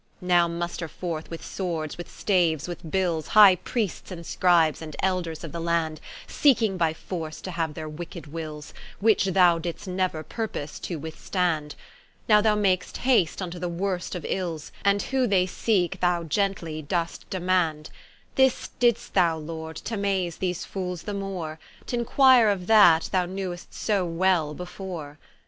Now muster forth with Swords, with Staues, with Bils, High Priests and Scribes, and Elders of the Land, Seeking by force to haue their wicked Wils, Which thou didst neuer purpose to withstand; Now thou mak'st haste vnto the worst of Ils, And who they seeke, thou gently doest demand; This didst thou Lord, t'amaze these Fooles the more, T'inquire of that, thou knew'st so well before.